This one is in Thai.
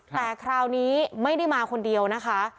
แต่คราวนี้ไม่ได้มาคนเดียวนะคะ